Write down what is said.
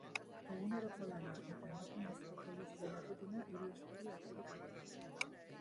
Eguneroko lana eta emakumezko polizien errutina, hiru istorio harturik ardatz.